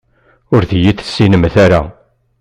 Ur d-iyi-tessinemt ara.